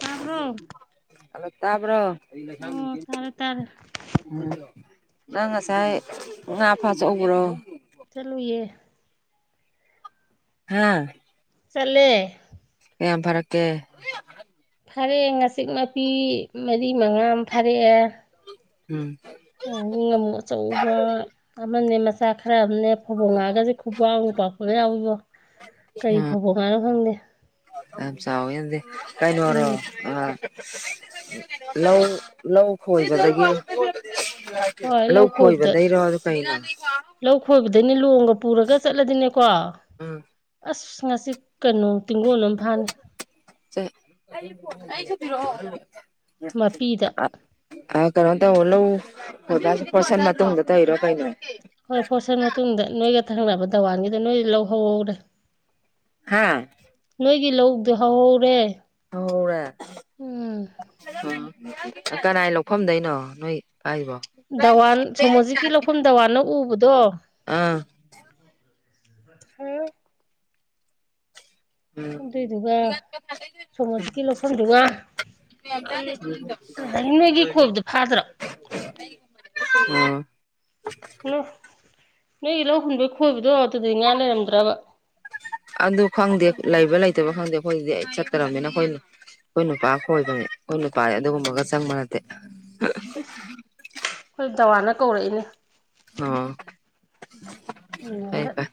ꯇꯥꯕ꯭ꯔꯣ ꯍꯂꯣ ꯇꯕꯥꯔꯣ ꯑꯩ ꯂꯩꯁꯥꯡ [unintelligible] ꯑꯣ ꯇꯥꯔꯦ ꯇꯥꯔꯦ ꯎꯝ ꯅꯪ ꯉꯁꯥꯏ ꯉꯥ ꯐꯥ ꯆꯥꯎꯕ꯭ꯔꯣ ꯆꯠꯂꯨꯏꯌꯦ ꯍꯥ ꯆꯠꯂꯦ ꯀꯌꯥꯝ ꯐꯔꯛꯀꯦ ꯐꯔꯥꯛꯑꯦ ꯉꯥꯆꯤꯛ ꯃꯄꯤ ꯃꯔꯤ ꯃꯉꯥ ꯑꯃ ꯐꯥꯔꯛꯑꯦ ꯎꯝ ꯑꯗꯥꯒꯤ ꯉꯃꯨ ꯑꯆꯧꯕ ꯑꯃꯅꯦ ꯃꯆꯥ ꯈꯔ ꯑꯃꯅꯦ ꯐꯕꯣꯡ ꯉꯥ ꯒꯥꯁꯦ ꯈꯨꯕꯥꯛ ꯃꯨꯛ ꯄꯥꯛꯄꯒ ꯌꯥꯎꯏꯕꯣ ꯀꯔꯤ ꯑꯥ ꯐꯕꯣꯡ ꯉꯥꯅꯣ ꯈꯪꯗꯦ ꯌꯥꯝ ꯆꯥꯎꯋꯤ ꯑꯗꯨꯗꯤ ꯀꯩꯅꯣꯔꯣ ꯎꯝ ꯑ ꯂꯧ ꯂꯧ ꯈꯣꯏꯕꯗꯒꯤ ꯍꯣꯏ ꯂꯧ ꯈꯣꯏꯕꯗ ꯈꯣꯏꯕꯗꯩꯔꯣ ꯑꯗꯨ ꯀꯩꯅꯣ ꯂꯧ ꯈꯣꯏꯕꯗꯩꯅꯦ ꯂꯣꯡꯒ ꯄꯨꯔꯒ ꯆꯠꯂꯗꯤꯅꯦꯀꯣ ꯎꯝ ꯑꯁ ꯉꯁꯤ ꯀꯩꯅꯣ ꯇꯤꯡꯒꯣꯟ ꯑꯃ ꯐꯥꯅꯤ [unintelligible] ꯃꯄꯤꯗ ꯑ ꯀꯩꯅꫭꯇꯧ ꯂꯧ ꯈꫭꯏꯕ ꯍꯥꯏꯁꯦ ꯐꫭꯔꯁꯟ ꯃꯇꯨꯡꯗ ꯇꯧꯏꯔꫭ ꯀꯩꯅꫭ ꯍꯣꯏ ꯐꫭꯔꯁꯟ ꯃꯇꯨꯡꯗ ꯅꯣꯏꯒ ꯊꯪꯅꯕ ꯗꯥꯋꯥꯟꯒꯤꯗꫭ ꯅꯣꯏꯗꯤ ꯂꯧ ꯍꯧꯍꯧꯔꯦ ꯍꯥꯥ ꯅꯣꯏꯒꯤ ꯂꯧꯗꫭ ꯍꯧꯍꯧꯔꯦ ꯍꯧꯍꯧꯔꯦ ꯎꯝ ꯎꯝ ꯀꯅꯥꯏ ꯂꯧꯐꯝꯗꯩꯅꯣ ꯅꯣꯏ ꯍꯥꯏꯕꫭ [inaudible] ꯗꯋꯥꯅ ꯎꯕꯗꯣ ꯑꯥ ꯍꯝ ꯎꯝ ꯑꯗꯨꯗꯨꯒ ꯑꯣ ꯁꫭꯃꫭꯖꯤꯠꯀꯤ ꯂꯧꯐꯝꯗꯨꯒ ꯑꯗꯨꯗꯒꯤ ꯅꯣꯏꯒꯤ ꯈꯣꯏꯕꯗꯣ ꯐꯥꯗ꯭ꯔꯣ [unintelligible] ꯎꯝ ꯅꯣ ꯅꯣꯏꯒꯤ ꯂꯧ ꯍꯨꯟꯕꯩ ꯈꯣꯏꯕꯗꯣ ꯑꯗꯨꯗꯗꯤ ꯉꯥ ꯂꯩꯔꯝꯗ꯭ꯔꯕ ꯑꯗꯨ ꯈꯪꯗꯦ ꯂꯩꯕ ꯂꯩꯇꯕ ꯈꯪꯗꯦ ꯑꯩꯈꯣꯏꯗꯗꯤ ꯑꯩ ꯆꯠꯇꯔꯝꯅꯤꯅ ꯑꯩꯈꯣꯏꯅ ꯑꯩꯈꯣꯏ ꯅꯨꯄꯥ ꯈꫭꯏꯕꯅꯦ ꯑꯩꯈꯣꯏ ꯅꯨꯄꯥꯗꯤ ꯑꯗꯨꯒꯨꯝꯕꯒ ꯆꯪꯕ ꯅꯠꯇꯦ ꯑꯩꯈꫭꯏ ꯗꯋꯥꯅ ꯀꯧꯔꯛꯏꯅꯦ ꯑꯣ ꯐꯩ ꯍꯟꯗ ꯐꯩ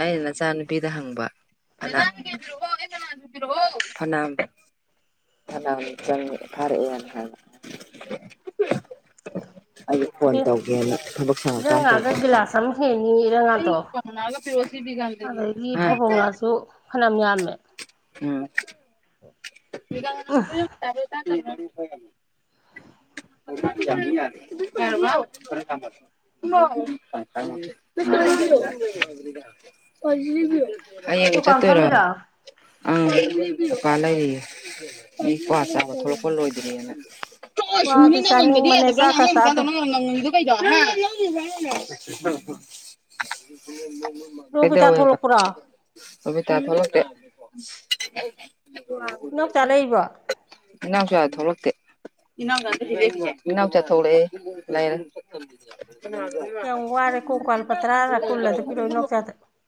ꯑꯩꯅ ꯅꯆꯥꯅꯨꯄꯤꯗ ꯍꯪꯕ ꯐꯅ ꯐꯅꯥꯝ ꯐꯅꯥꯝ ꯆꯪ ꯐꯔꯛꯑꯦꯅ ꯍꯥꯏꯕ ꯑꯩꯖꯨ ꯐꯣꯟ ꯇꯧꯒꯦꯅ ꯊꯕꯛ ꯁꯪꯉꯀꯥꯟ‌ ꯇꯧꯒꯦꯅ ꯇꯪ ꯍꯦꯟꯅꯤ ꯏꯔꯪ ꯉꯥꯗꯣ ꯑꯗꯒꯤ ꯐꯕꯣꯡ ꯉꯥꯁꯨ ꯐꯅꯌꯥꯝ ꯌꯥꯝꯃꯦ ꯎꯝ [inaudible] ꯎ [inaudible] [inaudible] [inaudible] ꯍꯌꯦꯡ ꯗꯨꯀꯥꯟ ꯆꯠꯇꫭꯏꯔꫭ ꯐꯝꯃꯤꯔꯣ ꯑꯪ ꯗꯨꯀꯥꯟ ꯂꯩꯔꯤꯌꯦ ꯑꯩ ꯀ꯭ꯋꯥ ꯆꯥꯕ ꯊꫭꯛꯂꯛꯄ ꯂꯣꯏꯗ꯭ꯔꯤꯑꯅ ꯆꫭꯛꯍꯦ ꯁꯨꯅꯤ ꯋꯥꯗꯤ ꯅꯪꯅꯉꯝꯗꯔꯗꯤ ꯆꯥꯅꯤꯡꯕꯅꯦ ꯌꯥꯗꯕ꯭ꯔꯥ ꯅꯪ ꯆꯥꯛꯀ ꯑꯉꯥꯡ ꯆꯥꯗꯦ ꯃꯆꯥꯗꯧꯅ ꯉꯪꯉꯤꯗꯨ [inaudible] ꯔꯣꯕꯤꯇꯥ ꯀꯩꯗꯧꯋꯦꯕ ꯊꯣꯛꯂꯛꯄ꯭ꯔꯣ ꯕꯕꯤꯇ ꯊꫭꯛꯂꯛꯇꯦ ꯏꯅꯥꯎꯆꯥ ꯂꯩꯔꯤꯕꯣ [inaudible] ꯏꯅꯥꯎꯆꯥ ꯊꯣꯛꯂꯛꯇꯦ [inaudible] ꯏꯅꯥꯎ ꯏꯅꯥꯎꯆꯥ ꯊꯣꯛꯂꯛꯑꯦ ꯌꯥꯝ ꯋꯥꯔꯦ ꯀꯣꯡ ꯀꯥꯜ ꯄꯇ꯭ꯔꯥꯔ ꯀꯨꯜ ꯑꯗꯨ ꯄꯤꯔꯛꯑꯣ [inaudible] ꯏꯅꯥꯎꯆꯥꯗ [inaudible]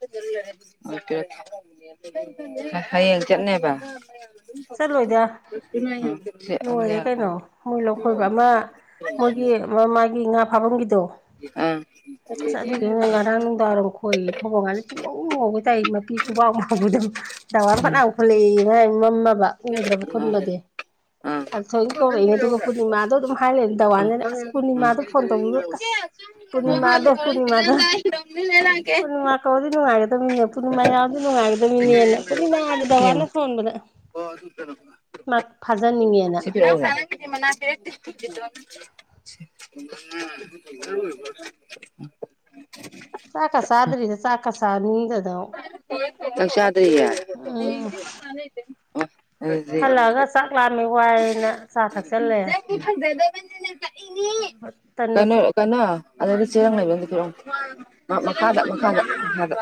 [inaudible] ꯍꯌꯦꯡ ꯆꯠꯅꯦꯕ ꯆꯠꯂꯣꯏꯗ ꯂꯣꯏꯔꯦ ꯌꯥ [inaudible] ꯀꯩꯅꯣ ꯃꯣꯏ ꯂꯧꯈꯣꯏꯕ ꯑꯃ ꯃꯣꯏꯒꯤ ꯃꯃꯥꯒꯤ ꯉꯥ ꯐꯥꯐꯝꯒꯤꯗꯣ ꯑꯥ ꯑꯁ ꯑꯗꯨꯏꯗꯨꯅꯦ ꯉꯔꯥꯡ ꯅꯨꯡꯗꯥꯡ ꯈꯣꯏ ꯐꯧꯕꫭꯡ ꯉꯥꯅ ꯄꯨꯡꯉꯧ ꯉꯧꯒꯩ ꯇꯥꯏ ꯃꯄꯤ ꯈꯨꯕꯥꯛ ꯃꯨꯛ ꯄꯥꯛꯄꯗꫭ ꯗꯥꯋꯥꯟ ꯐꯅꯌꯥꯝ ꯈꯨꯜꯂꯛꯑꯦꯌꯦ ꯃꯥꯏ ꯃꯝꯃꯕ ꯎꯗ꯭ꯔꯕ ꯈꯨꯟꯕꯗꯤ ꯑꯪ ꯑ ꯊꯣꯏ ꯀꯧꯔꯛꯏꯅꯦ ꯑꯗꯨꯒ ꯄꯨꯔꯅꯤꯃꯥꯗꯣ ꯑꯗꯨꯝ ꯍꯥꯏꯂꯩ ꯑꯪ ꯇꯋꯥꯟꯖꯤꯅ ꯑꯁ ꯑꯪ ꯄꯨꯔꯅꯤꯃꯥꯗꯣ ꯐꯣꯟ ꯇꯧꯕꯤꯕ ꯑꯁ ꯆꯥꯛ ꯄꯨꯔꯅꯤꯃꯥꯗꯣ ꯄꯨꯔꯅꯤꯃꯥꯗ ꯄꯨꯔꯅꯤꯃꯥ ꯀꯧꯔꯗꯤ ꯅꯨꯡꯉꯥꯏꯒꯗꯝꯅꯤꯅꯦ ꯄꯨꯔꯅꯤꯃꯥ ꯌꯥꯎꯔꯗꯤ ꯅꯨꯡꯉꯥꯏꯒꯗꯝꯅꯤꯅꯦꯅ ꯄꯨꯔꯅꯤꯃꯥ ꯗꯋꯥꯟꯅ ꯁꯣꯟꯕꯗ ꯃꯥ [unintelligible] ꯐꯥꯖꯅꯤꯡꯉꯦꯅ ꯉꯁꯤꯗꯤ ꯃꯅꯥ ꯂꯩꯔꯛꯇꯦ [unintelligible] [unintelligible] ꯆꯥꯛꯀ ꯆꯗ꯭ꯔꯤꯗ ꯆꯥꯛꯀ ꯆꯅꯤꯡꯗ ꯅꯪ ꯆꯗ꯭ꯔꯤꯌꯦ ꯎꯝ [unintelligible] ꯍꯜꯂꯛꯑꯒ ꯆꯥꯛ ꯂꯥꯝꯃꯤ ꯋꯥꯏꯅ ꯆꯥ ꯊꯛꯆꯜꯂꯦ ꯈꯣꯏꯗꯤ ꯐꯖꯗꯕꯥꯅꯤꯅꯥ ꯆꯠꯅꯤꯡꯉꯤ ꯇꯟ ꯀꯩꯅꯣ ꯃꯆꯦꯠ ꯀꯅꯣ ꯑꯗꯩꯩꯗ ꯆꯦꯔꯪ ꯂꯩꯕꯅꯤ ꯑꯝꯇꯥ ꯄꯤꯔꯛ ꯎꯅꯦ ꯃꯈꯥꯗ ꯃꯈꯥꯗ ꯃꯈꯥꯗ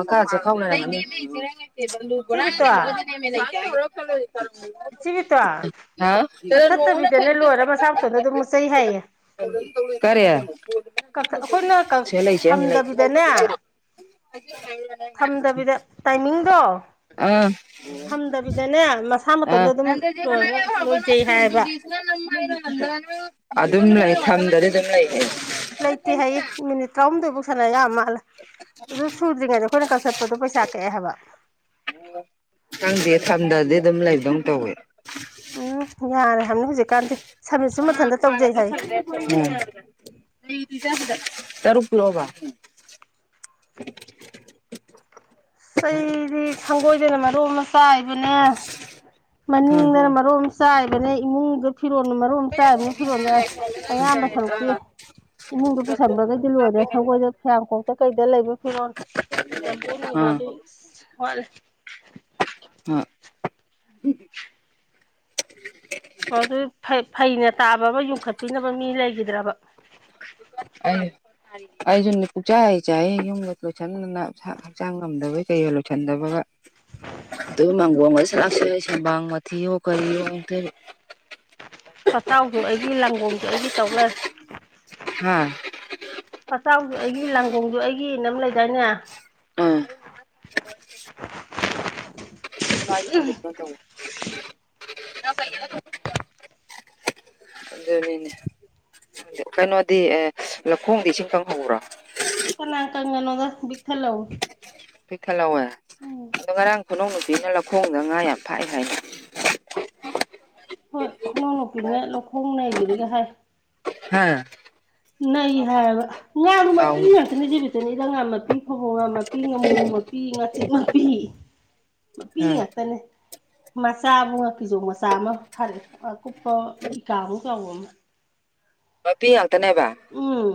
ꯃꯈꯥꯗ ꯆꯦꯈꯥꯎ ꯂꯩꯔꯝꯒꯅꯤ ꯏꯆꯦ ꯕꯤꯇꯣ [unintelligible] ꯏꯆꯦꯕꯦꯇꯣꯟ ꯍꯥ ꯀꯛꯊꯠꯇꯕꯤꯗꯅꯦ ꯂꯣꯏꯔ ꯃꯁꯥ ꯃꯇꯣꯝꯗ ꯑꯗꯨꯝ ꯃꯨꯠꯆꯩ ꯍꯥꯏꯌꯦ ꯀꯔꯤ ꯀꯥꯛꯊꯠ ꯑꯩꯈꯣꯏꯅ ꯀꯥ ꯁꯤꯗ ꯂꯩ ꯆꯦꯔꯪꯗꯤ ꯂꯩꯇꯦ ꯊꯝꯗꯕꯤꯗꯅꯦ ꯊꯝꯗꯕꯤꯗ ꯇꯥꯏꯃꯤꯡꯗꯣ ꯑꯥ ꯊꯝꯗꯕꯤꯗꯅꯦ ꯃꯁꯥ ꯃꯁꯥ ꯃꯇꯣꯝꯗ ꯑꯥ ꯑꯗꯨꯝ ꯂꯣꯏꯔꯒ ꯂꯣꯏꯖꯩ ꯍꯥꯏꯌꯦꯕ ꯑꯗꯨꯝ ꯂꯩ ꯗꯝꯗꯗꯤ ꯑꯗꯨꯝ ꯂꯩꯌꯦ ꯂꯩꯇꯦ ꯍꯥꯏꯌꯦ ꯃꯤꯅꯤꯠ ꯇꯔꯥꯍꯨꯝꯗꯣꯏꯐꯥꯎ ꯁꯥꯟꯅ ꯌꯥ ꯃꯥꯜꯂꯦ ꯑꯗꯨ ꯁꯨꯗ꯭ꯔꯤꯉꯩꯗ ꯑꯩꯈꯣꯏꯅ ꯀꯛꯊꯠꯄꯗꯣ ꯄꯩꯁꯥ ꯀꯛꯑꯦ ꯍꯥꯏꯕ ꯈꯪꯗꯦ ꯊꯝꯗ꯭ꯔꯗꯤ ꯑꯗꯨꯝ ꯂꯩꯝꯗꯧ ꯇꯧꯋꯦ ꯎꯝ ꯌꯥꯔꯦ ꯍꯥꯏꯕꯃꯤ ꯍꯧꯖꯤꯛꯀꯥꯟꯗꯤ ꯁꯔꯕꯤꯁꯁꯨ ꯃꯊꯟꯗ ꯇꯧꯖꯩ ꯍꯥꯏꯌꯦ ꯇꯔꯨꯛ ꯄꯤꯔꯛ ꯑꯣꯕ ꯏꯁ ꯑꯩꯗꯤ ꯁꯪꯒꯣꯏꯗꯅ ꯃꯔꯣꯜ ꯑꯃ ꯆꯥꯏꯕꯅꯦ ꯑꯥ ꯃꯅꯤꯡꯗꯅ ꯃꯔꯣꯝ ꯆꯥꯏꯕꯅꯦ ꯏꯃꯨꯡꯗꯨ ꯐꯤꯔꯣꯜꯅ ꯃꯔꯣꯝꯃꯥ ꯆꯥꯏꯕꯅꯦ ꯐꯤꯔꯣꯜꯖꯦ ꯑꯌꯥꯝꯕ ꯁꯔꯨꯛꯇꯤ ꯏꯃꯨꯡꯗ ꯄꯨꯁꯟꯕꯒꯩꯗꯤ ꯂꯣꯏꯔꯦ ꯁꯪꯒꯣꯏꯗ ꯐꯤꯌꯥꯡ ꯈꯣꯛꯇ ꯀꯩꯗ ꯂꯩꯕ ꯐꯤꯔꯣꯜ ꯖꯝꯕꯣ ꯅꯨꯡꯕꯣ ꯑꯥ ꯏꯁ ꯋꯥꯠꯂꯤ [unintelligible] ꯑꯣ ꯑꯗꯨ ꯐꯩ ꯐꯩꯅ ꯇꯥꯕ ꯑꯃ ꯌꯨꯡꯈꯠꯄꯤꯅꯕ ꯃꯤ ꯂꯩꯒꯤꯗ꯭ꯔꯕ ꯑꯩꯖꯨ ꯑꯩꯖꯨꯅꯤ ꯄꯨꯡꯆꯥꯏ ꯆꯥꯏꯔꯤ ꯌꯨꯝꯒꯥ ꯂꯣꯏꯁꯟ ꯅꯪ ꯁꯥ ꯍꯛꯆꯥꯡ ꯉꯝꯗꯕꯩ ꯀꯩꯒ ꯂꯣꯏꯁꯟꯗꯕꯒ ꯑꯗꯨ ꯃꯥꯡꯒꯣꯜꯒꯥ ꯁꯂꯥꯛ ꯁꯥꯒꯩ ꯁꯦꯝꯕꯥꯡ ꯃꯊꯤꯌꯣ ꯀꯩꯌꯣ ꯑꯃꯨꯛꯇꯣꯏꯕ ꯄꯇꯆꯥꯎꯖꯨ ꯑꯩꯒꯤ ꯂꯥꯡꯒꯣꯡꯖꯨ ꯑꯩꯒꯤ ꯇꯧ ꯂꯩꯔꯦ ꯍꯥꯥ ꯄꯠꯆꯥꯎꯖꯨ ꯑꯩꯒꯤ ꯂꯥꯡꯒꯣꯡꯖꯨ ꯑꯩꯒꯤꯅꯥ ꯑꯝ ꯂꯩꯗꯥꯏꯅꯦ ꯑꯥ [unintelligible] ꯑꯗꯨꯅꯤꯅꯦ ꯈꯪꯗꯦ ꯀꯩꯅꯣꯗꯤ ꯑꯦ ꯂꯧꯈꯣꯡꯗꯤ ꯏꯁꯤꯡ ꯀꯪꯍꯧꯕ꯭ꯔꯣ ꯀꯅꯥ ꯀꯥꯡꯒꯅꯣꯗ ꯕꯤꯛ ꯊꯜꯍꯧꯏ ꯄꯤꯛꯊꯜꯍꯧꯋꯦ ꯑꯗꯣ ꯉꯔꯥꯡ ꯈꯨꯅꯧ ꯅꯨꯄꯤꯅ ꯂꯧꯈꯣꯡꯗ ꯉꯥ ꯌꯥꯝ ꯐꯥꯏ ꯍꯥꯏꯅꯦ [unintelligible] ꯍꯣꯏ ꯈꯨꯅꯎ ꯅꯨꯨꯄꯤꯅ ꯂꯧꯈꯣꯡ ꯅꯩꯒꯤꯕꯒꯤ ꯍꯥꯏ ꯍꯥ ꯅꯩ ꯍꯥꯏꯕ ꯉꯥꯗꯣ ꯑꯥꯎ ꯃꯄꯤ ꯉꯛꯇꯅꯤ ꯏꯆꯦꯕꯦꯇꯣꯟ ꯏꯔꯥꯡ ꯉꯥ ꯃꯄꯤ ꯐꯥꯕꯧꯉꯥ ꯃꯄꯤ ꯉꯥꯃꯨ ꯃꯄꯤ ꯉꯥꯆꯤꯛ ꯃꯄꯤ ꯃꯄꯤ ꯍꯥ ꯉꯥꯛꯇꯅꯦ ꯃꯆꯥꯕꯨ ꯉꯥꯀꯤꯖꯧ ꯃꯆꯥ ꯑꯃ ꯐꯥꯔꯛꯑꯦ ꯑꯀꯨꯞꯄ ꯏꯀꯥ ꯃꯨꯛ ꯆꯥꯎꯕ ꯑꯃ ꯃꯄꯤ ꯉꯥꯛꯇꯅꯦꯕ ꯎꯝ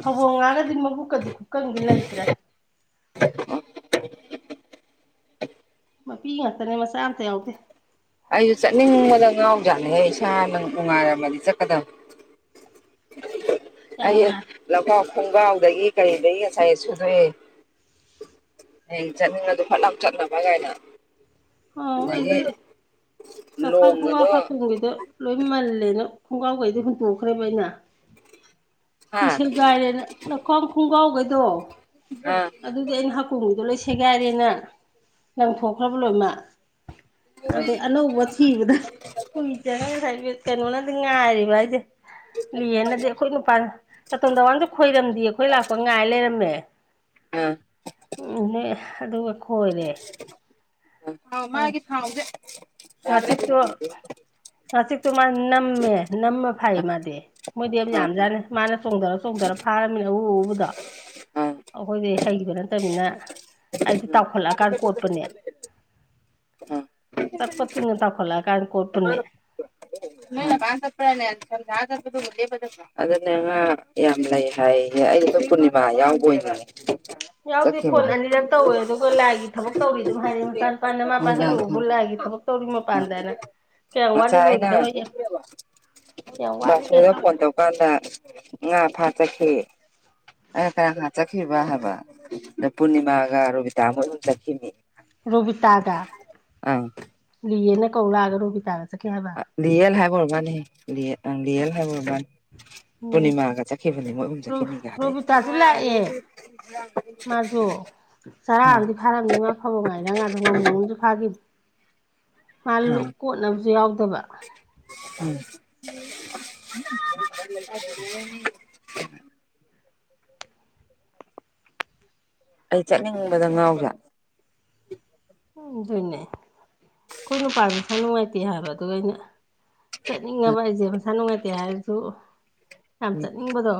ꯐꯕꯧ ꯉꯥꯒꯗꯤ ꯃꯕꯨꯛꯀꯗꯤ ꯈꯨꯀꯪꯗꯤ ꯂꯩꯇ꯭ꯔꯦ ꯃꯄꯤ ꯉꯥꯛꯇꯅꯦ ꯃꯆꯥ ꯑꯝꯇ ꯌꯥꯎꯗꯦ ꯑꯩꯁꯨ ꯆꯠꯅꯤꯡꯕꯗ ꯉꯥꯎ ꯖꯥꯠꯅꯤꯍꯦ ꯏꯁꯥ ꯅꯪ ꯅꯨꯡꯉꯥꯏꯔꯝꯃꯗꯤ ꯆꯠꯀꯗꯃꯤ ꯌꯥꯝ ꯑꯩ ꯅꯨꯡꯉꯥꯏ ꯂꯧꯈꯥꯎ ꯈꯨꯡꯒꯥꯎꯗꯒꯤ ꯀꯔꯤꯗꯒꯤ ꯉꯁꯥꯏ ꯁꯨꯗꯣꯛꯑꯦ ꯍꯌꯦꯡ ꯆꯠꯅꯤꯡꯉꯖꯨ ꯐꯠꯂꯥꯎ ꯆꯠꯅꯕ ꯌꯥꯏꯅ ꯑꯣ ꯑꯩꯗꯤ ꯂꯧꯈꯥꯡ ꯈꯨꯡꯒꯥꯎ ꯂꯣꯡꯒꯗꯣ ꯍꯥꯞꯄꯂꯣꯏꯗ ꯂꯣꯏ ꯃꯥꯜꯂꯦꯅ ꯈꯣꯡꯒ꯭ꯔꯥꯎꯒꯩꯗꯤ ꯍꯨꯟꯇꯣꯛꯈ꯭ꯔꯦꯕ ꯑꯩꯅ ꯇꯨ ꯍꯥ ꯁꯦꯒꯥꯏꯔꯦꯅ ꯂꯧꯈꯥꯡ ꯈꯨꯡꯒꯥꯎꯒꯩꯗꯣ ꯑꯥ ꯑꯗꯨꯗꯤ ꯑꯩꯅ ꯍꯥꯀꯨꯝꯒꯤꯗꯣ ꯂꯣꯏ ꯁꯦꯒꯥꯏꯔꯦꯅ ꯂꯪꯊꯣꯛꯈ꯭ꯔꯕ ꯂꯣꯏꯃꯛ ꯑꯗꯩ ꯑꯅꯧꯕ ꯊꯤꯕꯗ ꯀꯨꯏ ꯆꯪꯉꯦ ꯉꯁꯥꯏ ꯀꯩꯅꯣꯅꯗꯤ ꯉꯥꯏꯔꯤꯕ ꯍꯥꯏꯖꯦ ꯂꯤꯌꯦꯅꯗꯤ ꯑꯩꯈꯣꯏ ꯅꯨꯄꯥ ꯇꯥꯇꯣꯟ ꯇꯋꯥꯡꯖꯨ ꯈꯣꯏꯔꯝꯗꯤꯌꯦ ꯑꯩꯈꯣꯏ ꯂꯥꯛꯄ ꯉꯥꯏ ꯂꯩꯔꯝꯃꯦ ꯑꯥ ꯎꯝ ꯅꯦ ꯑꯗꯨꯒ ꯈꯣꯏꯔꯦ ꯊꯥꯎ ꯃꯥꯒꯤ ꯊꯥꯎꯖꯦ ꯉꯥꯆꯤꯛꯇꯣ ꯉꯥꯆꯤꯛꯇꯣ ꯃꯥ ꯅꯝꯃꯦ ꯅꯝꯃ ꯐꯥꯏꯌꯦ ꯃꯥꯗꯤ ꯃꯣꯏꯗꯤ ꯌꯥꯝ ꯌꯥꯝꯖꯥꯠꯅꯤ ꯃꯥꯅ ꯆꯣꯡꯗꯔ ꯆꯣꯡꯗꯔ ꯐꯥꯔꯝꯃꯤ ꯑꯎ ꯑꯎꯕꯗꯣ ꯑꯩꯈꯣꯏꯗꯤ ꯍꯩꯕ ꯅꯠꯇꯃꯤꯅ ꯑꯩꯗꯤ ꯇꯥꯎꯈꯠꯂꯛꯑꯀꯥꯟ ꯀꯣꯠꯄꯅꯤ ꯆꯛꯄ ꯇꯤꯡꯅ ꯇꯥꯎꯈꯠꯂꯛꯑꯀꯥꯟ ꯀꯣꯠꯄꯅꯤ ꯅꯪꯅ ꯄꯥꯏꯔ ꯆꯠꯄ꯭ꯔꯅꯦ ꯁꯟ ꯁꯥꯔ ꯆꯠꯄꯗꯨꯕꯨ ꯂꯦꯞꯄ ꯆꯠꯄ꯭ꯔꯣ ꯑꯗꯨꯅꯦ ꯉꯥ ꯌꯥꯝ ꯂꯩ ꯍꯥꯏꯌꯦꯌꯦ ꯑꯩꯗꯣ ꯄꯨꯔꯅꯤꯃꯥ ꯌꯥꯎꯕꯣꯏ ꯅꯤꯡꯉꯦ ꯌꯥꯎꯗꯦ ꯐꯣꯟ ꯑꯅꯤꯔꯛ ꯇꯧꯋꯦ ꯑꯗꯨꯒ ꯂꯥꯏꯒꯤ ꯊꯕꯛ ꯇꯧꯔꯤ ꯑꯗꯨꯝ ꯍꯥꯏꯔꯛꯑꯦ ꯃꯆꯥ ꯅꯨꯨꯄꯥ ꯅꯃꯥ ꯄꯥꯏꯍꯜꯂꯨꯑꯣꯕꯨ ꯂꯥꯏꯒꯤ ꯊꯕꯛ ꯇꯧꯔꯤ ꯃꯄꯥꯟꯗꯅ [unintelligible] ꯀꯌꯥꯝ ꯋꯥꯠꯂꯤ ꯂꯨꯏꯒꯗꯕ ꯌꯦꯡ ꯕꯥꯁꯣꯗ ꯐꯣꯟ ꯇꯧꯔꯀꯥꯟꯗ ꯉꯥ ꯐꯥ ꯆꯠꯈꯤ ꯑꯩꯅ ꯀꯔ ꯀꯅ ꯆꯠꯈꯤꯕ ꯍꯥꯏꯕ ꯑꯗ ꯄꯨꯔꯅꯤꯃꯥꯒ ꯔꯣꯕꯤꯇꯥ ꯃꯣꯏ ꯑꯍꯨꯝ ꯆꯠꯈꯤꯅꯤ ꯔꯣꯕꯤꯇꯥꯒ ꯑꯪ ꯂꯤꯌꯦꯅ ꯀꯧ ꯂꯥꯛꯑꯒ ꯔꯣꯕꯤꯇꯥꯒ ꯆꯠꯈꯤ ꯍꯥꯏꯕ ꯂꯤꯌꯦꯜ ꯍꯥꯟ ꯑꯣꯏꯔꯃꯥꯅꯦꯍꯦ ꯂꯤꯌꯦ ꯑꯪ ꯂꯤꯌꯦꯜ ꯍꯥꯏꯕ ꯑꯣꯏꯔꯃꯥꯅꯦ ꯎꯝ ꯄꯨꯔꯅꯤꯃꯥꯒ ꯆꯠꯈꯤꯕꯅꯤ ꯃꯣꯏ ꯑꯍꯨꯝ ꯆꯠꯈꯤꯃꯤꯒ ꯍꯥꯏꯔꯛꯏ ꯔꯣꯕꯤꯇꯥꯁꯨ ꯂꯥꯛꯑꯦ ꯃꯥꯁꯨ [unintelligible] ꯆꯔꯥ ꯑꯝꯗꯤ ꯐꯥꯔꯝꯅꯤ ꯃꯥ ꯐꯕꯧꯉꯥꯅꯤꯅ ꯉꯥꯗꯨ ꯉꯥꯃꯨ ꯑꯝꯖꯨ ꯐꯥꯒꯤꯃꯤ ꯉꯥ ꯑ ꯂꯨꯞ ꯀꯣꯠꯅꯕꯖꯨ ꯌꯥꯎꯗꯕ [unintelligible] ꯑꯩ ꯆꯠꯅꯤꯡꯕꯗ ꯉꯥꯎꯖꯥꯠ ꯎꯝ ꯗꯣꯏꯅꯦ ꯑꯩꯈꯣꯏ ꯅꯨꯄꯥꯖꯨ ꯃꯁꯥ ꯅꯨꯡꯉꯥꯏꯇꯦ ꯍꯥꯏꯕ ꯑꯗꯨꯒꯤ ꯑꯩꯅ ꯆꯠꯅꯤꯡꯉꯕ ꯑꯩꯁꯦ ꯃꯁꯥ ꯅꯨꯡꯉꯥꯏꯇꯦ ꯍꯥꯏꯔꯁꯨ ꯌꯥꯝ ꯎꯝ ꯆꯠꯅꯤꯡꯕꯗꯣ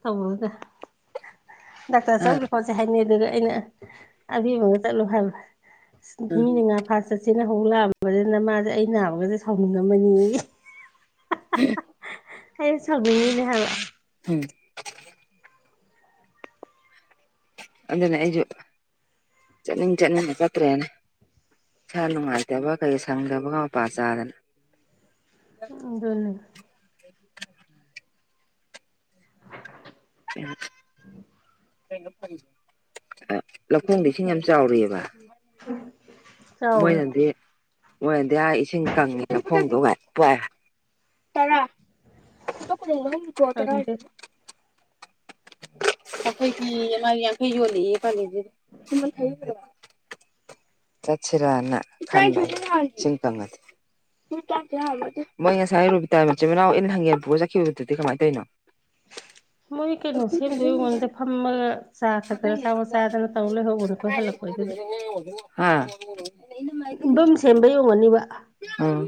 ꯊꯝꯃꯣꯖꯦ ꯗꯥꯛꯇꯔ ꯑ ꯆꯧꯖꯤ ꯈꯣꯠ ꯍꯥꯏꯅꯤ ꯑꯗꯨꯗ ꯑꯩꯅ ꯑꯕꯦꯝꯃꯒ ꯆꯠꯂꯣ ꯍꯥꯏꯕ ꯎꯝ ꯃꯤꯅ ꯉꯥ ꯐꯥ ꯆꯠꯁꯦꯅ ꯍꯧ ꯂꯥꯛꯑꯕꯅꯤꯅ ꯅꯃꯥꯖꯦ ꯑꯩ ꯅꯥꯕꯒꯖꯦ ꯁꯥꯎꯅꯤꯡꯉꯝꯃꯅꯤꯌꯦ [unintelligible] ꯑꯩ ꯁꯥꯎꯅꯤꯡꯏꯅꯦ ꯍꯥꯏꯕ ꯎꯝ ꯑꯗꯨꯅꯦ ꯑꯩꯖꯨ ꯆꯠꯅꯤꯡ ꯆꯠꯅꯤꯡꯅ ꯆꯠꯇ꯭ꯔꯦꯅꯦ ꯏꯁꯥ ꯅꯨꯡꯉꯥꯏꯇꯕ ꯀꯩꯒ ꯁꯪꯗꯕꯒ ꯃꯄꯥ ꯆꯥꯗꯅ ꯑꯗꯨꯅꯤ ꯂꯧꯈꯣꯡꯗ ꯏꯁꯤꯡ ꯌꯥꯝ ꯆꯥꯎꯔꯤꯕ ꯆꯥꯎꯋꯦ ꯃꯣꯏꯅꯗꯤ ꯃꯣꯏꯅꯗꯤ ꯍꯥꯥꯏ ꯏꯁꯤꯡ ꯀꯪꯉꯦꯅ ꯂꯧꯈꯣꯡꯗꯣ ꯋꯥꯏ ꯋꯥꯏ ꯇꯔꯥ ꯇꯨꯛ [inaudible] ꯈꯪꯗꯦ ꯑꯈꯣꯏꯒꯤ ꯑꯃ ꯌꯥꯡꯈꯩ ꯌꯣꯜꯂꯤꯌꯦ ꯏꯕꯥꯅꯤꯗꯤ ꯆꯥꯠꯁꯤꯔꯅ ꯈꯟꯕ ꯏꯁꯤꯡ ꯀꯥꯡꯉꯗꯤ ꯃꯣꯏ ꯉꯁꯥꯏ ꯔꯨꯕꯤꯇꯥ ꯃꯆꯤꯟ ꯃꯅꯥꯎ ꯏꯟ ꯍꯥꯟꯒꯦꯟ ꯄꯨꯔ ꯆꯠꯈꯤꯕꯗꯨꯗꯤ ꯀꯃꯥꯏꯅ ꯇꯧꯏꯅꯣ [unintelligible] ꯃꯣꯏ ꯀꯩꯅꯣ ꯁꯦꯝꯗꯣꯏ ꯑꯣꯏꯔꯝꯒꯅꯤꯗꯥ ꯐꯝꯃꯒ ꯆꯥ ꯈꯛꯇ ꯆꯥꯄꯣꯠ ꯆꯥꯗꯅ ꯇꯧ ꯂꯩꯍꯧꯕꯗꯣꯀꯣ ꯑꯩꯈꯣꯏ ꯍꯜꯂꯛ ꯍꯥ [inaudible] ꯎꯝ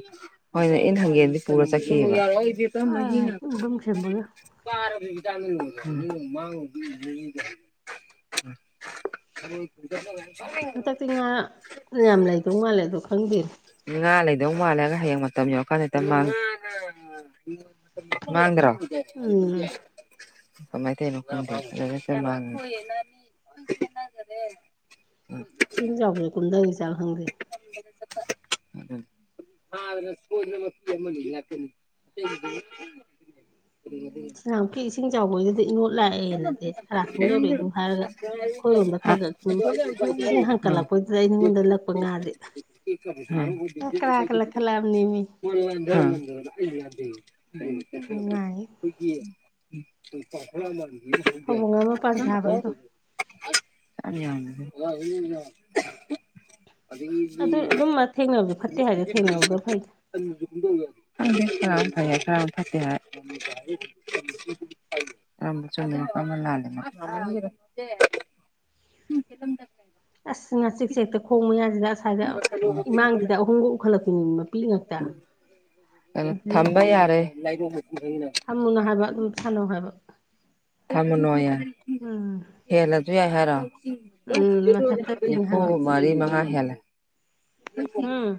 ꯍꯣꯏꯅꯦ ꯏꯟ ꯍꯪꯒꯦꯟꯗꯤ ꯄꯨꯔꯥ ꯆꯠꯈꯤꯌꯦꯕ [inaudible] ꯑꯥ ꯌꯨꯝꯕꯝ ꯁꯦꯝꯕꯒ [unintelligible] [inaudible] ꯍꯟꯗꯛꯇꯤ ꯉꯥ ꯌꯥꯝ ꯂꯩꯗꯧ ꯃꯥꯜꯂꯦ ꯑꯗꯣ ꯈꯪꯗꯦ ꯉꯥ ꯂꯩꯗꯧ ꯃꯥꯜꯂꯒ ꯍꯌꯦꯡ ꯃꯇꯝ ꯌꯧꯔꯀꯥꯟꯗ ꯍꯦꯛꯇ ꯃꯥꯡꯉꯦ ꯃꯥꯥꯡꯗ꯭ꯔꯣ ꯎꯝ ꯀꯃꯥꯏ ꯇꯧꯋꯤꯅꯣ ꯈꯪꯗꯦ [inaudible] ꯎꯝ ꯏꯅꯝ ꯆꯥꯎꯕꯁꯨ ꯀꯨꯝꯗꯒꯤꯖꯥꯠꯂꯥ ꯈꯪꯗꯦ [inaudible] [unintelligible] [inaudible] ꯉꯍꯥꯟꯃꯨꯛꯀꯤ ꯏꯁꯤꯡ ꯆꯥꯎꯕꯩꯗꯨꯗꯤ ꯏꯅꯣꯠ ꯂꯥꯛꯑꯦꯅꯗꯤ ꯈꯔ ꯁꯨꯝ ꯌꯧꯔꯛꯑꯦ ꯑꯃ ꯑꯗꯨ ꯐꯩ ꯍꯥꯏꯔꯒ ꯑꯩꯈꯣꯏꯔꯣꯝꯗ ꯈꯔ ꯁꯨꯝ ꯏꯁꯤꯡ ꯍꯥꯡꯀꯠꯂꯛꯄꯗꯩ ꯑꯩꯉꯣꯟꯗ ꯂꯛꯄ ꯉꯥꯥꯗꯤ ꯉꯥꯀꯔꯥꯀ ꯂꯛꯈꯠꯂꯛꯑꯕꯅꯦꯃꯤ [inaudible] ꯅꯨꯡꯉꯥꯏꯌꯦ [inaudible] ꯐꯥꯕꯧꯉꯥ ꯃꯄꯥꯟ ꯁꯕꯩꯗꯣ [inaudible] ꯑꯗꯒꯤꯗꯤ ꯑꯗꯨ ꯑꯗꯨꯝ ꯊꯦꯡꯅꯕꯗꯤ ꯐꯠꯇꯦ ꯍꯥꯏꯗꯤ ꯊꯦꯡꯅꯍꯧꯗꯕ ꯐꯩꯗ [unintelligible] ꯈꯪꯗꯦ ꯈꯔꯥ ꯑꯃꯥ ꯐꯩ ꯍꯥꯏ ꯈꯔꯥꯃ ꯐꯠꯇꯦ ꯍꯥꯏ [unintelligible] [unintelligible] ꯑꯁ ꯉ ꯆꯤꯛꯁꯦ ꯆꯦꯛꯇ ꯈꯣꯡꯕꯌꯥꯁꯤꯗ ꯑꯁꯥꯏꯗ ꯏꯃꯥꯡꯁꯤꯗ ꯑꯍꯨꯝꯒꯥ ꯎꯈꯠꯂꯛꯄꯤꯅꯦꯃꯤ ꯑꯝꯊꯝꯕ ꯌꯥꯔꯦ ꯍꯥꯏꯕꯥ ꯑꯗꯨꯝ ꯁꯥꯅꯧ ꯍꯥꯏꯕꯥ ꯊꯝꯃꯨꯅꯣꯌꯦ ꯎꯝ ꯍꯦꯜꯂꯁꯨ ꯌꯥꯏ ꯍꯥꯏꯔꯣ ꯎꯝ ꯃꯊꯟ ꯆꯠꯈꯤꯅꯤ ꯅꯤꯝꯐꯨ ꯍꯥꯏꯕ ꯃꯥꯔꯤ ꯃꯉꯥ ꯍꯦꯟꯂꯦ ꯎꯝ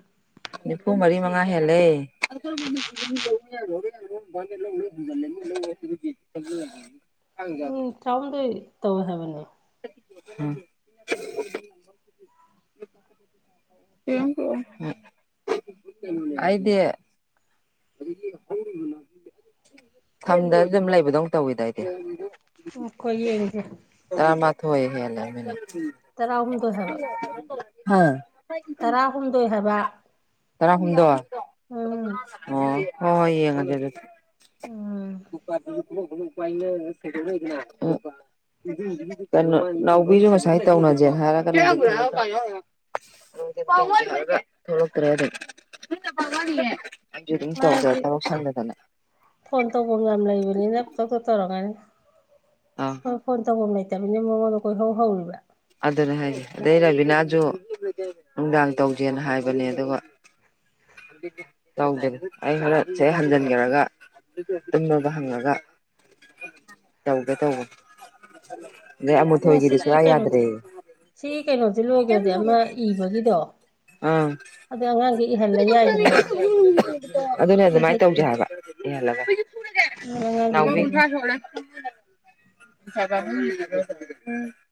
ꯅꯤꯐꯨ ꯃꯔꯤ ꯃꯉꯥ ꯍꯦꯜꯂꯦ [unintelligible] ꯎꯝ ꯇꯥꯍꯨꯝꯗꯣꯏ ꯇꯧꯌꯦ ꯍꯥꯏꯕꯅꯦ [unintelligible] [unintelligible] ꯑꯩꯗꯤ ꯈꯪꯗꯗ ꯗꯨꯝ ꯂꯩꯕꯗꯧ ꯇꯧꯋꯤꯗꯥ ꯑꯩꯗꯤ ꯉꯥꯏꯈꯣ ꯌꯦꯡꯒꯦ ꯇꯔꯥꯃꯥꯊꯣꯏ ꯍꯦꯜꯂꯕꯅꯦ ꯇꯔꯥꯍꯨꯝꯗꯣꯏ ꯍꯥꯏꯕ ꯍꯥ ꯇꯔꯥꯍꯨꯝꯗꯣꯏ ꯍꯥꯏꯕ ꯇꯔꯥꯍꯨꯝꯗꯣꯏ ꯑꯣ ꯎꯝ ꯍꯣꯏ ꯍꯣꯏ ꯌꯦꯡꯉꯒꯦ ꯑꯗꯨꯗꯤ ꯎꯝ ꯎꯄꯥꯗꯤ ꯑꯃꯨꯛ ꯄꯥꯏꯅꯔ ꯀꯩꯗꯧꯋꯤ ꯑꯗꯨꯒ ꯀꯩꯅꯣ ꯅꯥꯎꯕꯤꯁꯨ ꯉꯁꯥꯏ ꯇꯧꯅꯁꯦ ꯍꯥꯏꯔꯒ [unintelligible] [unintelligible] ꯊꯣꯛꯂꯛꯇ꯭ꯔꯦ ꯑꯗꯨꯝ ꯑꯩꯖꯨ ꯑꯗꯨꯝ ꯃꯥꯗꯤ ꯇꯧꯖꯗꯧ ꯈꯪꯗꯗꯅ ꯐꯣꯟ ꯇꯧꯕꯝ ꯌꯥꯝ ꯂꯩꯕꯅꯤꯅ ꯄꯪꯇꯧꯗ ꯇꯧꯔꯝꯒꯅꯤ ꯑꯥ ꯈꯣꯏ ꯐꯣꯟ ꯇꯧꯕꯝ ꯂꯩꯇꯝꯅꯤꯅ ꯃꯉꯣꯟꯗ ꯀꯣꯏꯍꯧ ꯍꯧꯔꯤꯕ ꯑꯗꯨꯅ ꯍꯥꯏꯖꯦ ꯑꯗꯩ ꯔꯕꯤꯅꯥꯖꯨ ꯅꯨꯡꯗꯥꯡ ꯇꯧꯖꯦꯅ ꯍꯥꯏꯕꯅꯦ ꯑꯗꯨꯒ ꯇꯧꯗꯔꯦ ꯑꯩ ꯍꯣꯔꯦꯟ ꯁꯤꯗꯩ ꯍꯟꯖꯟꯒ꯭ꯔꯒ ꯇꯨꯝꯃꯕꯥ ꯍꯪꯉꯒ ꯇꯧꯒꯦ ꯇꯧꯕꯅꯦ ꯑꯗꯩ ꯑꯃꯨꯊꯣꯏꯒꯤꯗꯤ ꯁꯨꯡꯌꯥ ꯌꯥ ꯁꯤ ꯀꯩꯅꯣꯖꯤ ꯂꯣꯏꯒ꯭ꯔꯗꯤ ꯑꯃ ꯏꯕꯒꯤꯗꯣ ꯑꯪ ꯑꯗꯨ ꯑꯉꯥꯡꯒꯤ ꯏꯍꯜꯂ ꯌꯥꯏꯗꯅ ꯑꯗꯨꯅꯦ ꯑꯩ ꯑꯗꯨꯃꯥꯏꯟ ꯇꯧꯖꯦ ꯍꯩꯇ꯭ꯔꯁꯨ ꯍꯥꯏꯕ ꯏꯍꯜꯂꯒ ꯑꯉꯥꯡꯒꯤ ꯅꯥꯎꯕꯤ ꯏꯍꯜꯂꯣ ꯂꯨꯄꯥ ꯀꯨꯟꯊ꯭ꯔꯥ ꯁꯨꯔꯦ [unintelligible]